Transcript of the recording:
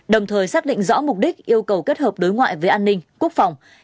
đồng thời xác định rõ mục đích yêu cầu kết hợp đối ngoại với an ninh quốc phòng